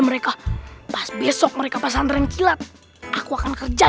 hai pas besok mereka pesen ringkyat aku akan kerjaim